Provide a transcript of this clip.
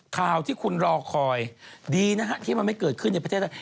ข่าวที่คุณรอคอยดีนะฮะที่มันไม่เกิดขึ้นในประเทศไทย